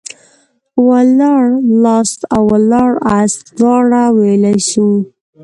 ولاړلاست او ولاړاست دواړه ويلاى سو.